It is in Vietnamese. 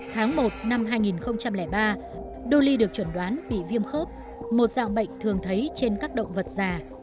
tháng một năm hai nghìn ba dooly được chuẩn đoán bị viêm khớp một dạng bệnh thường thấy trên các động vật già